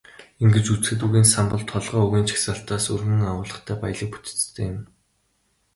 Ингэж үзэхэд, үгийн сан бол толгой үгийн жагсаалтаас өргөн агуулгатай, баялаг бүтэцтэй юм.